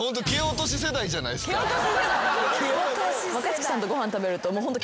若槻さんとご飯食べるともうホント。